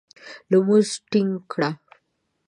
لمونځ ټینګ کړه !